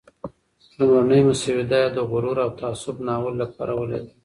لومړنی مسوده یې د "غرور او تعصب" ناول لپاره ولېږله.